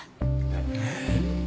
えっ？